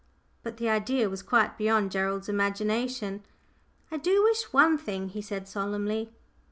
But the idea was quite beyond Gerald's imagination. "I do wish one thing," he said solemnly.